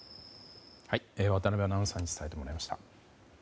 渡辺アナウンサーに伝えてもらいました。